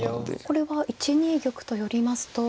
これは１二玉と寄りますと。